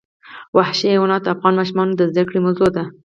وحشي حیوانات د افغان ماشومانو د زده کړې موضوع ده.